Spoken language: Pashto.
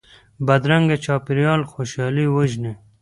بدرنګه چاپېریال خوشحالي وژني